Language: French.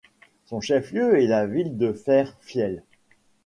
Son chef-lieu est la ville de Fairfield.